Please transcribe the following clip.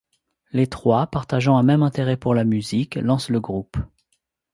Les trois, partageant un même intérêt pour la musique, lancent le groupe.